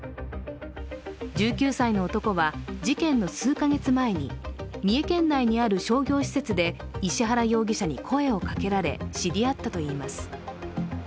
１９歳の男は事件の数か月前に三重県内にある商業施設で石原容疑者に声をかけられ知り合ったといいます。